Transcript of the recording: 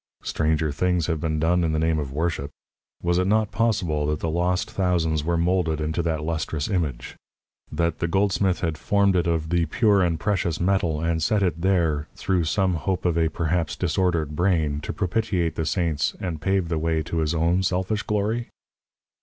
Stranger things have been done in the name of worship. Was it not possible that the lost thousands were molded into that lustrous image? That the goldsmith had formed it of the pure and precious metal, and set it there, through some hope of a perhaps disordered brain to propitiate the saints and pave the way to his own selfish glory?